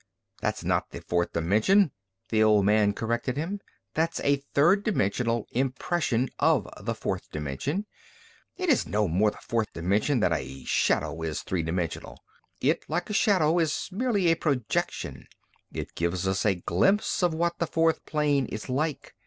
"That's not the fourth dimension," the old man corrected him. "That's a third dimensional impression of the fourth dimension. It is no more the fourth dimension than a shadow is three dimensional. It, like a shadow, is merely a projection. It gives us a glimpse of what the fourth plane is like.